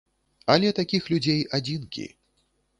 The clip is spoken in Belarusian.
Але такіх людзей адзінкі.